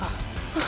あ。